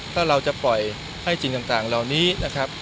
ถ้าเราจะปล่อยให้สิ่งต่างเหล่านี้นะครับ